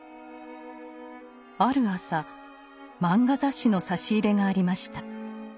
ある朝「漫画雑誌」の差し入れがありました。